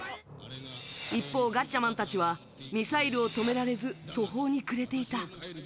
一方、ガッチャマンたちはミサイルを止められず途方に暮れていた。